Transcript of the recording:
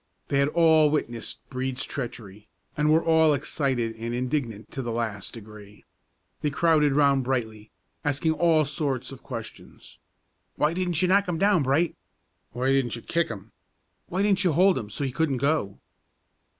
They had all witnessed Brede's treachery, and were all excited and indignant to the last degree. They crowded around Brightly, asking all sorts of questions: "Why didn't you knock 'im down, Bright?" "Why didn't you kick 'im?" "Why didn't you hold 'im so't he couldn't go?"